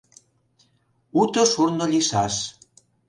Уто шурно лийшаш.